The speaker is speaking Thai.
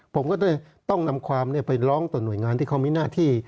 ผมก็เลยต้องนำความไปร้องต่อหน่วยงานที่เขามีหน้าที่